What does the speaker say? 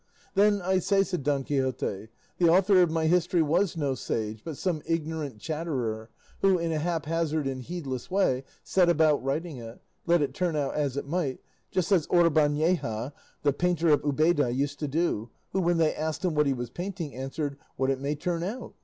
"Then, I say," said Don Quixote, "the author of my history was no sage, but some ignorant chatterer, who, in a haphazard and heedless way, set about writing it, let it turn out as it might, just as Orbaneja, the painter of Ubeda, used to do, who, when they asked him what he was painting, answered, 'What it may turn out.